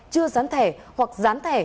chưa dán thẻ hoặc dán thẻ